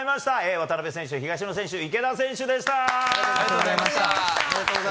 渡辺選手、東野選手池田選手でした。